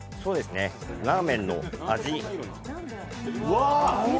ラーメンの味。